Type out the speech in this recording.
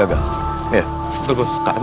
aku harus selamat sayang